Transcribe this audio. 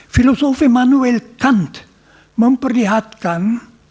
filosofi manuel kant memperlihatkan